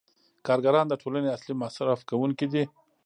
کارګران د ټولنې اصلي مصرف کوونکي دي